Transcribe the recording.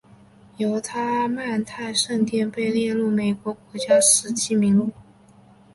犹他曼泰圣殿被列入美国国家史迹名录。